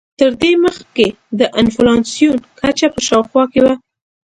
تر دې مخکې د انفلاسیون کچه په شاوخوا کې وه.